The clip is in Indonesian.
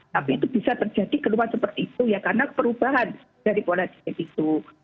tapi itu bisa terjadi keluhan seperti itu ya karena perubahan dari pola dingin itu